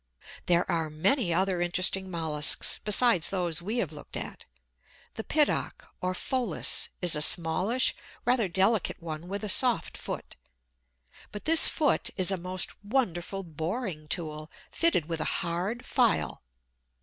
There are many other interesting molluscs, besides those we have looked at. The Piddock, or Pholas, is a smallish, rather delicate one, with a soft foot. But this foot is a most wonderful boring tool, fitted with a hard file.